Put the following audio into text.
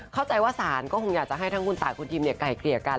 เข้าใจว่าสารก็คงอยากจะให้ทั้งคุณตายคุณทิมไก่เกลี่ยกัน